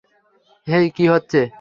হেই, কী হচ্ছে?